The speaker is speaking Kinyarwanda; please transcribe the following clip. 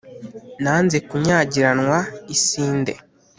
Nanze kunyagiranwa isinde,